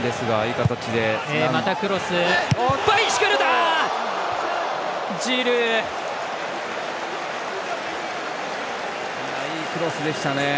いいクロスでしたね。